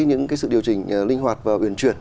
những cái sự điều chỉnh linh hoạt và huyền chuyển